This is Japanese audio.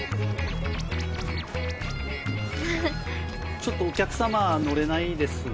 ちょっとお客様は乗れないですね。